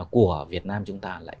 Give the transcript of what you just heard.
của việt nam chúng ta lại